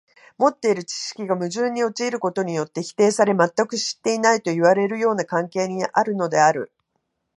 持っている知識が矛盾に陥ることによって否定され、全く知っていないといわれるような関係にあるのである。